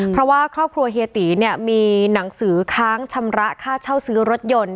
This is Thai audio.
เพราะว่าครอบครัวเฮียตีเนี่ยมีหนังสือค้างชำระค่าเช่าซื้อรถยนต์